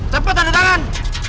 cepet tanda tangan